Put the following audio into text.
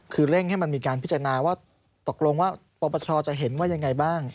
คือเร่งให้มันมีการพิจารณาว่าตกลงว่าปปชจะเห็นว่ายังไงบ้าง